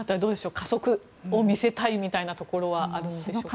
加速を見せたいところはあるんでしょうか。